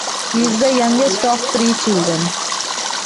He is the youngest of three children.